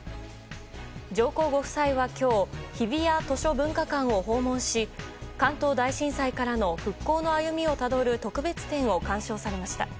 上皇ご夫妻は今日日比谷図書文化館を訪問し関東大震災からの復興の歩みをたどる特別展を鑑賞されました。